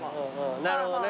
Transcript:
なるほどね。